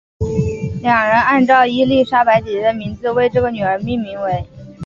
两人按照伊丽莎白姐姐的名字为这个女儿命名为。